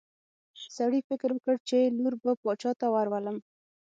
سړي فکر وکړ چې لور به باچا ته ورولم.